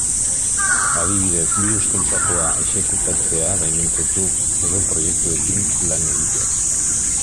Adibidez, birus-kontrakoa exekutatzea baimentzen du edo proiektuekin lan egitea.